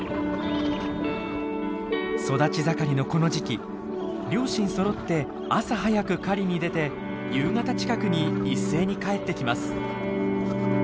育ち盛りのこの時期両親そろって朝早く狩りに出て夕方近くに一斉に帰ってきます。